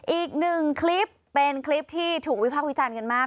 อีกหนึ่งคลิปเป็นคลิปที่ถูกวิพากษ์วิจารณ์กันมาก